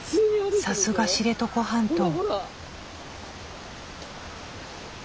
さすが知床半島。